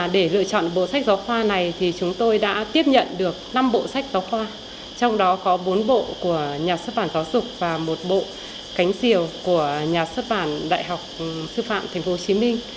để lựa chọn bộ sách giáo khoa này thì chúng tôi đã tiếp nhận được năm bộ sách giáo khoa trong đó có bốn bộ của nhà xuất bản giáo dục và một bộ cánh diều của nhà xuất bản đại học sư phạm tp hcm